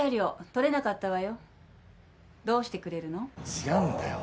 違うんだよ。